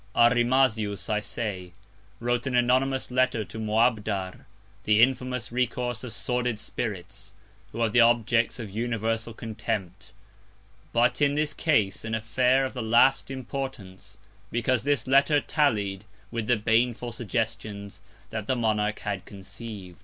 Arimazius, I say, wrote an anonymous Letter to Moabdar, the infamous Recourse of sordid Spirits, who are the Objects of universal Contempt; but in this Case, an Affair of the last Importance; because this Letter tallied with the baneful Suggestions that Monarch had conceiv'd.